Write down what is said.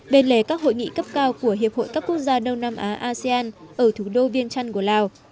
bền lề các hội nghị cấp cao của hiệp hội các quốc gia đông nam á asean ở thủ đô vientiane của lào